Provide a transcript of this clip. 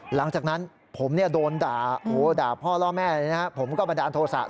หลังจากนั้นผมโดนด่าพ่อล่อแม่ผมก็มาด่าโทรศาสตร์